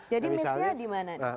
jadi misalnya dimana